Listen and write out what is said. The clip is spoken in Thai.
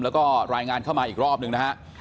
แล้วก็รายงานเข้ามาอีกรอบหนึ่งนะฮะ